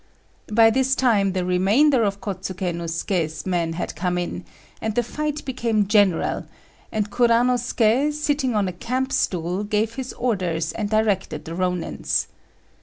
By this time the remainder of Kôtsuké no Suké's men had come in, and the fight became general; and Kuranosuké, sitting on a camp stool, gave his orders and directed the Rônins.